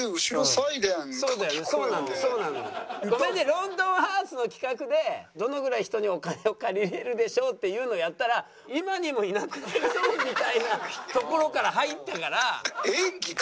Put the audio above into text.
『ロンドンハーツ』の企画でどのぐらい人にお金を借りれるでしょうっていうのやったら今にもいなくなりそうみたいなところから入ったから。